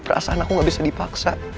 perasaan aku gak bisa dipaksa